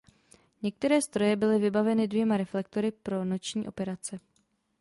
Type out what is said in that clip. Některé stroje byly vybaveny dvěma reflektory pro noční operace.